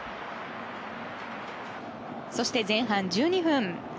そして前半１２分。